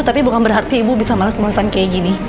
tapi bukan berarti ibu bisa males malesan kayak gini